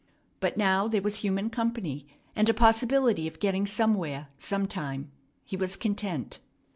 But now there was human company, and a possibility of getting somewhere sometime. He was content.